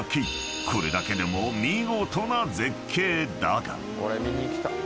［これだけでも見事な絶景だが］